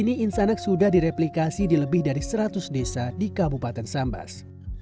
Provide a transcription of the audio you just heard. bambang juga memberikan aplikasi di lebih dari seratus desa di kabupaten sambas